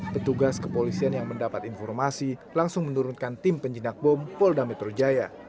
petugas kepolisian yang mendapat informasi langsung menurunkan tim penjinak bom polda metro jaya